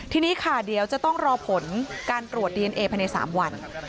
ทีนี้ค่ะเดี๋ยวจะต้องรอผลการตรวจดีเอนเอภายใน๓วัน